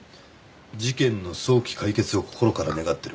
事件の早期解決を心から願ってる。